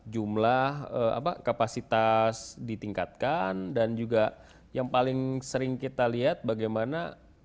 jumlah kapasitas ditingkatkan dan juga yang paling sering kita lihat bagaimana